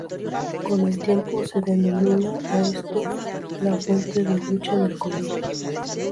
Con el tiempo se denomina a esto la "Fuente de lucha del colegio".